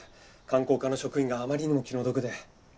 観光課の職員があまりにも気の毒で。